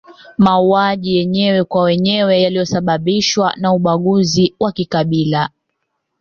Mauaji ya wenyewe kwa wenye yaliyosababishwa na ubaguzi wa kikabila